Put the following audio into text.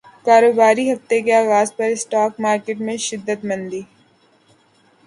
کاروباری ہفتے کے اغاز پر اسٹاک مارکیٹ میں شدید مندی